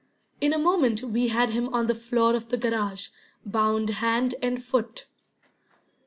In a moment we had him on the floor of the garage, bound hand and foot.